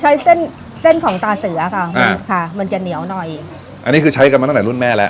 ใช้เส้นเส้นของตาเสือค่ะครับค่ะมันจะเหนียวหน่อยอันนี้คือใช้กันมาตั้งแต่รุ่นแม่แล้ว